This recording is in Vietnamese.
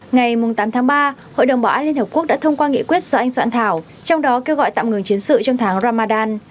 ngày tám tháng ba hội đồng bảo an liên hợp quốc đã thông qua nghị quyết do anh soạn thảo trong đó kêu gọi tạm ngừng chiến sự trong tháng ramadan